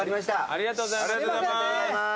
ありがとうございます！